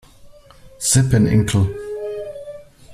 Sippen incl.